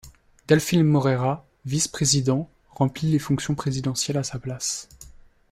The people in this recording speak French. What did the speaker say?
Delfim Moreira, vice-président, remplit les fonctions présidentielles à sa place.